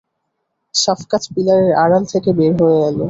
সাফকাত পিলারের আড়াল থেকে বের হয়ে এল।